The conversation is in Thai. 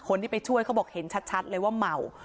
คนที่ไปช่วยเขาบอกเห็นชัดเลยว่าเมา